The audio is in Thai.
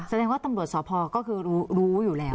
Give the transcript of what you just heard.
แสดงว่าตำรวจสพก็คือรู้อยู่แล้ว